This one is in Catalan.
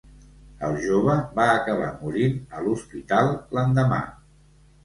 El jove va acabar morint a l’hospital l’endemà.